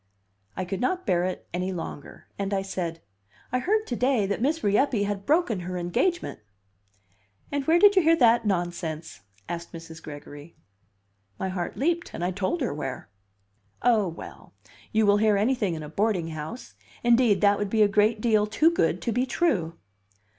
I could not bear it any longer, and I said, "I heard to day that Miss Rieppe had broken her engagement." "And where did you hear that nonsense?" asked Mrs. Gregory. My heart leaped, and I told her where. "Oh, well! you will hear anything in a boarding house. Indeed, that would be a great deal too good to be true."